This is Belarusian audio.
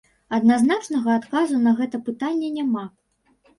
Адназначнага адказу на гэта пытанне няма.